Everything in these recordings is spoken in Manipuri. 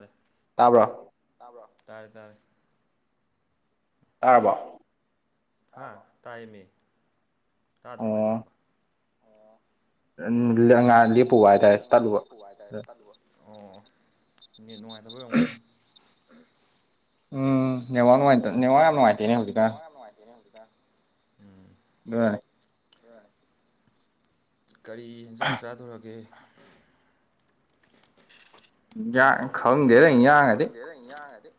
ꯑꯦ ꯇꯥꯕ꯭ꯔꯣ ꯇꯥ꯭ꯕꯔꫭ ꯇꯥꯔꯦ ꯇꯥꯔꯦ ꯇꯥꯔꯕꫭ ꯍ ꯇꯥꯏꯌꯦꯃꯤ ꯇꯥꯗ꯭ꯔꯣ ꯑꯩ ꯉꯥꯡꯕ ꯎꯝ ꯅꯤꯜꯂ ꯉꯥꯛ ꯂꯦꯞꯄꯨꯕ ꯍꯥꯏꯇꯥꯔꯦ ꯇꯠꯂꯨꯕ ꯇꯠꯂꯨꯕ ꯑꯣ ꯅꯩꯠ ꯅꯨꯡꯉꯥꯏꯇꯕꯩ ꯑꯣꯏꯔꯝꯒꯅꯤ ꯎꯝ ꯅꯦꯠꯋꯥꯛ ꯅꯨꯡꯉꯥꯏ ꯅꯦꯋꯥꯥꯛ ꯅꯨꯡꯉꯥꯏꯇ ꯅꯦꯋꯥꯥꯛ ꯌꯥꯝ ꯅꯨꯡꯉꯥꯏꯇꯦꯅꯦ ꯍꯧꯖꯤꯛ ꯀꯥꯟ ꯎꯝ ꯕꯥꯏ ꯀꯔꯤ ꯍꯦꯟꯁꯥꯡ ꯆꯥꯗꫭꯔꯒꯦ ꯏꯟꯖꯥꯡ ꯏꯟꯖꯥꯡ ꯈꯪꯗꯦꯗ ꯏꯟꯖꯥꯡꯒꯗꯤ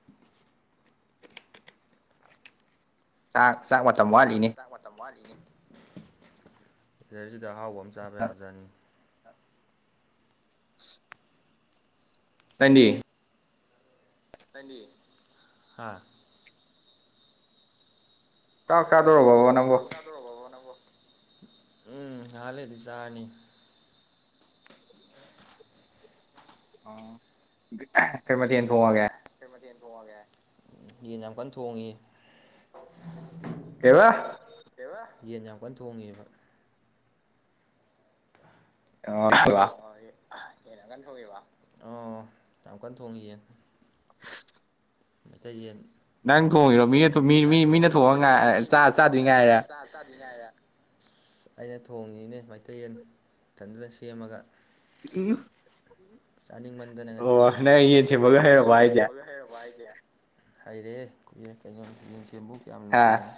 ꯆꯥꯛ ꯆꯥꯛ ꯃꯇꯝ ꯋꯥꯠꯂꯤꯅꯦ ꯆꯥꯛ ꯃꯇꯝ ꯋꯥꯠꯂꯤꯅꯦ ꯋꯦꯗꯔꯁꯤꯗ ꯑꯍꯥꯎꯕꯃ ꯆꯥꯕ ꯌꯥꯕꯖꯥꯠꯅꯤ [inaudible] ꯅꯪꯗꯤ ꯅꯪꯗꯤ ꯍꯥ ꯆꯥꯛ ꯆꯥꯗꯔꯣꯕꯕ ꯆꯥꯛ ꯆꯥꯗꯔꫭꯕꯕ ꯅꯪꯕꫭ ꯎꯝ ꯉꯥꯍꯥꯛ ꯂꯩꯔꯗꯤ ꯆꯥꯔꯅꯤ ꯑꯣ ꯀꯩ ꯃꯊꯦꯟ ꯊꯣꯡꯉꯒꯦ ꯀꯩ ꯃꯊꯦꯟ ꯊꯣꯡꯉꯒꯦ ꯎꯝ ꯌꯦꯟ ꯌꯥꯝ ꯀꯟ ꯊꯣꯡꯉꯤ ꯀꯩꯕ ꯀꯩꯕ ꯌꯦꯟ ꯌꯥꯝ ꯀꯟ ꯊꯣꯡꯉꯤꯕ ꯑꯣ [unintelligible] ꯌꯦꯟ ꯌꯥꯝ ꯀꯟ ꯊꯣꯡꯉꯤꯕ ꯑꯣ ꯌꯥꯝ ꯀꯟ ꯊꯣꯡꯉꯤꯌꯦ ꯃꯩꯇꯩ ꯌꯦꯟ ꯅꯪ ꯊꯣꯡꯉꯤꯔꯣ ꯃꯤꯅ ꯃꯤꯅ ꯊꯣꯡꯉꯒ ꯉꯥꯏ ꯆꯥ ꯆꯥꯗꯣꯏ ꯉꯥꯏꯔꯥ ꯆꯗꫭꯏ ꯉꯥꯏꯔꯥ ꯑꯁ ꯑꯩꯅ ꯊꯣꯡꯉꯤꯅꯦ ꯃꯩꯇꯩꯌꯦꯟ ꯏꯊꯟꯗꯅ ꯁꯦꯝꯃꯒ ꯎꯝ ꯆꯥꯅꯤꯡꯃꯟꯗꯅ ꯉꯁꯤꯗꯤ ꯑꯣ ꯅꯪ ꯌꯦꯟ ꯁꯦꯝꯕꯒ ꯍꯩꯔꯕꫭ ꯍꯥꯏꯁꯦ ꯍꯩꯔꯦꯍꯦ ꯀꯨꯏ ꯀꯩꯅꯣ ꯌꯦꯟꯁꯦꯝꯕꯕꯨ ꯀꯌꯥꯝ ꯂꯨꯕ ꯊꯕꯛꯅꯣ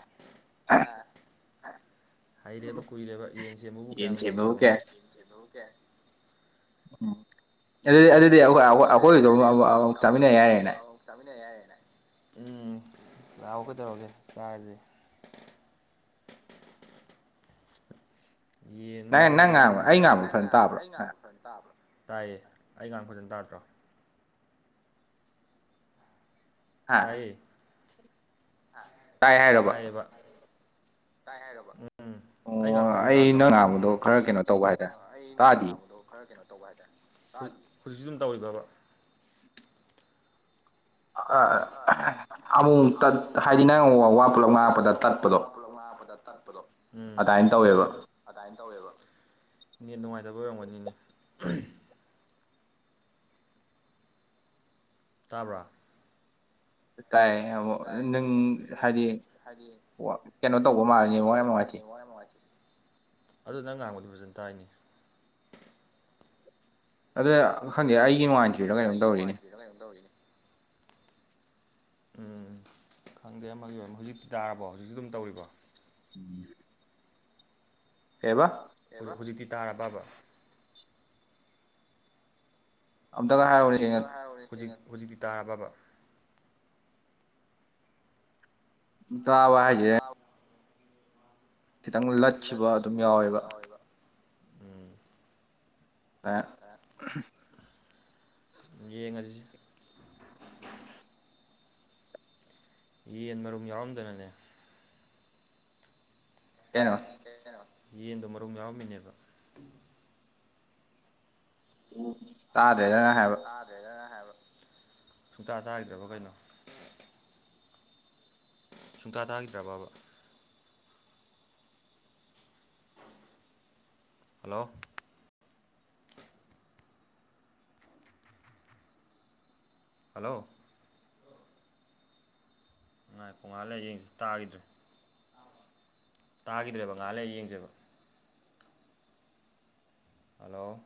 ꯑ ꯍꯩꯔꯦꯕ ꯀꯨꯏꯔꯦꯕ ꯌꯦꯟꯁꯦꯝꯕꯕꯨ ꯀꯌꯥꯝ ꯂꯨꯕ ꯊꯕꯛꯅꯣ ꯌꯦꯟꯁꯦꯝꯕꯕꯨ ꯀꯥꯏ ꯎꯝ ꯑꯗꯨꯗꯤ ꯑꯗꯨꯗꯤ ꯑꯩꯈꯣꯏꯒꯤꯗ ꯑꯃꯨ ꯑꯃꯨꯛ ꯆꯥꯃꯤꯟꯅ ꯌꯥꯔꯦꯅꯦ ꯆꯥꯃꯤꯟꯅ ꯌꯥꯔꯦꯅꯦ ꯎꯝ ꯂꯥꯛꯑꯣ ꯀꯩꯗꯧꯔꯒꯦ ꯆꯥꯔꯖꯦ ꯌꯦꯟ ꯃꯔꯨꯝ ꯌꯥꯎꯔꯝꯗꯅ ꯅꯪ ꯉꯥꯡꯕ ꯑꯩ ꯉꯥꯡꯕ [unintelligible] ꯇꯥꯕꯔꫭ ꯇꯥꯏꯌꯦ ꯑꯩꯉꯥꯡ ꯐꯖꯟ ꯇꯥꯗ꯭ꯔꯣ ꯇꯥꯏꯌꯦ ꯇꯥꯏꯌꯦꯕ ꯇꯥꯏ ꯍꯥꯏꯔꯕ ꯎꯝ ꯎꯝ ꯑꯩ ꯉꯥꯡ ꯐꯖꯟ ꯇꯥꯗ꯭ꯔꯣ ꯑꯣ ꯑꯩ ꯅꯪꯅ ꯉꯥꯡꯕꯗꯣ ꯈꯔ ꯀꯩꯅꯣ ꯇꯧꯕ ꯍꯥꯏꯇꯥꯔꯦ ꯍꯧꯖꯤꯛꯁꯨ ꯑꯗꯨꯝ ꯇꯧꯔꯤꯕꯕ ꯑꯥ ꯑ ꯑꯃꯨꯃꯨꯛ ꯇꯠ ꯍꯥꯏꯗꯤ ꯅꯪ ꯑꯃꯨꯃꯨꯛ ꯋꯥ ꯄꯨꯂꯞ ꯉꯥꯡꯉꯛꯄꯗ ꯇꯠ ꯄꯗꯣ ꯎꯝ ꯑꯗꯥꯏꯟ ꯇꯧꯋꯦꯕ ꯅꯦꯠ ꯅꯨꯉꯥꯏꯇꯕꯩ ꯑꯣꯏꯔꯝꯒꯅꯤꯅꯦ ꯇꯥꯕ꯭ꯔꯥ ꯇꯥꯏꯌꯦ [unintelligible] ꯅꯪ ꯍꯥꯏꯗꯤ ꯋꯥ ꯀꯦꯅꯣ ꯇꯧꯕ ꯃꯥꯂꯤ ꯅꯦꯋꯥꯛ ꯌꯥꯝ ꯅꯨꯉꯥꯏꯇꯦ ꯑꯗꯨ ꯅꯪ ꯉꯥꯡꯕꯗꯤ ꯐꯖꯟ ꯇꯥꯏꯅꯦ ꯑꯗ ꯈꯪꯗꯦ ꯑꯩꯒꯤ ꯅꯨꯉꯥꯏꯇ꯭ꯔꯤꯔ ꯀꯩꯅꯣꯝ ꯇꯧꯔꯤꯅꯦ [unintelligible] ꯀꯩꯅꯣꯝ ꯇꯧꯔꯤꯅꯦ ꯎꯝ ꯎꯝ ꯈꯪꯗꯦ ꯑꯃꯒꯤ ꯑꯣꯏꯝ ꯍꯨꯖꯤꯛꯇꯤ ꯇꯥꯔꯕꯣ ꯍꯨꯖꯤꯛꯁꯨ ꯗꯨꯝ ꯇꯧꯔꯤꯕꯣ ꯆꯨꯝꯃꯤꯍꯦ ꯀꯩꯕ ꯀꯩꯕ ꯍꯨ ꯍꯨꯖꯤꯛꯇꯤ ꯇꯥꯔꯕꯕ ꯑꯝꯇꯒ ꯍꯥꯏꯌꯣ ꯑꯝꯇꯒ ꯍꯥꯏꯌꯣꯅꯦ ꯁꯦꯡꯅ ꯍꯨꯖꯤꯛ ꯍꯨꯖꯤꯛꯇꯤ ꯇꯥꯔꯕꯕ ꯗꯥꯕ ꯍꯥꯏꯠ ꯑꯥꯞ ꯈꯤꯇꯪ ꯂꯠꯈꯤꯕ ꯑꯗꯨꯝ ꯌꯥꯎꯋꯦꯕ [unintelligible] [unintelligible] ꯌꯦꯡꯉꯖꯤꯁꯦ ꯌꯦꯟ ꯃꯔꯨꯝ ꯌꯥꯎꯔꯝꯗꯅꯅꯦ ꯀꯩꯅꯣ ꯀꯩ ꯍꯥꯏꯅꯣ ꯌꯦꯟꯗꯣ ꯃꯔꯨꯝ ꯌꯥꯎꯔꯝꯃꯤꯅꯦꯕ ꯎ ꯇꯥꯗ꯭ꯔꯦꯗ ꯅ ꯍꯥꯏꯕ ꯆꯥꯗ꯭ꯔꯦꯗ ꯅ ꯍꯥꯏꯕ ꯁꯨꯡꯇꯥ ꯇꯥꯒꯤꯗ꯭ꯔꯕ ꯀꯩꯅꯣ ꯁꯨꯡꯇꯥ ꯇꯥꯒꯤꯗ꯭ꯔꯕꯕ ꯍꯜꯂꯣ ꯍꯜꯂꯣ ꯉꯥꯏꯈꯣ ꯉꯍꯥꯛ ꯂꯩꯔ ꯌꯦꯡꯖꯤ ꯇꯥꯒꯤꯗ꯭ꯔꯦ ꯇꯥꯒꯤꯗ꯭ꯔꯦꯕ ꯉꯍꯥꯛ ꯂꯩꯔ ꯌꯦꯡꯖꯦꯕ ꯍꯜꯂꯣ